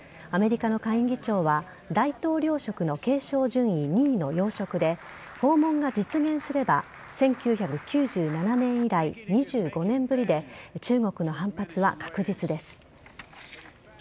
アメリカの下院議長は大統領職の継承順位２位の要職で訪問が実現すれば１９９７年以来、２５年ぶりで中国の反発は確実です。